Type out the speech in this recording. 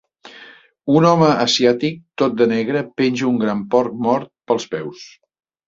Un home asiàtic tot de negre penja un gran porc mort pels peus.